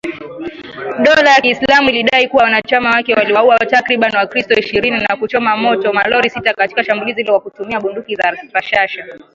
Dola ya Kiislamu ilidai kuwa wanachama wake waliwauwa takribani wakristo ishirini na kuchoma moto malori sita katika shambulizi hilo kwa kutumia bunduki za rashasha